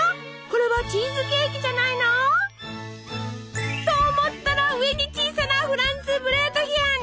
これはチーズケーキじゃないの？と思ったら上に小さなフランツブレートヒェン！